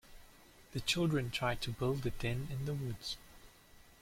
The children tried to build a den in the woods